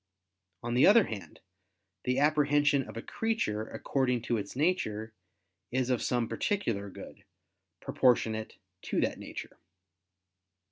On the other hand, the apprehension of a creature, according to its nature, is of some particular good, proportionate to that nature.